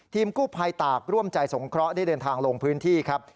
กู้ภัยตากร่วมใจสงเคราะห์ได้เดินทางลงพื้นที่ครับ